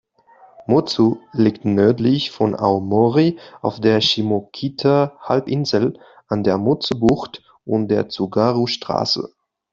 Mutsu liegt nördlich von Aomori auf der Shimokita-Halbinsel an der Mutsu-Bucht und der Tsugaru-Straße.